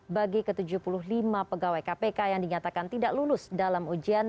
bagi ke tujuh puluh lima pegawai kpk yang dinyatakan tidak lulus dalam ujian